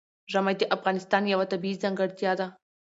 ژمی د افغانستان یوه طبیعي ځانګړتیا ده.